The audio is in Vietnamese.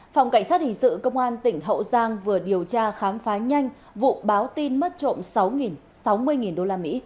phòng cảnh sát hình sự công an tỉnh hậu giang vừa điều tra khám phá nhanh vụ báo tin mất trộm sáu sáu mươi usd